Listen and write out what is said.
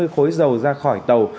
sáu mươi khối dầu ra khỏi tàu